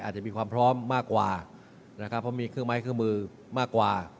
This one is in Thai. อาจจะมีความพร้อมมากกว่านะครับเพราะมีเครื่องไม้เครื่องมือมากกว่า